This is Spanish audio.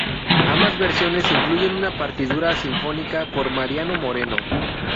Ambas versiones incluyen una partitura sinfónica por Mariano Moreno.